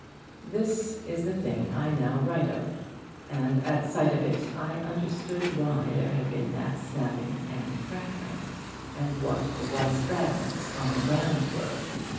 This is the thing I now write of, and at sight of it I understood why there had been that snapping and crackling, and what the white fragments on the ground were.